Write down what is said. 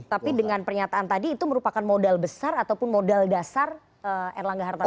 tapi dengan pernyataan tadi itu merupakan modal besar ataupun modal dasar erlangga hartarto